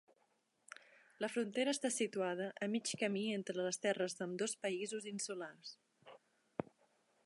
La frontera està situada a mig camí entre les terres d'ambdós països insulars.